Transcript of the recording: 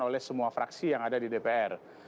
oleh semua fraksi yang ada di dpr